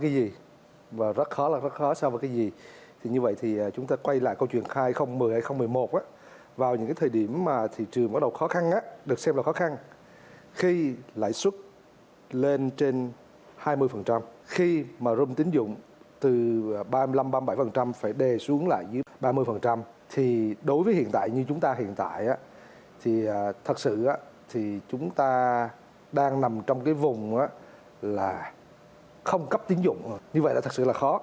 đang nằm trong cái vùng là không cấp tính dụng như vậy là thật sự là khó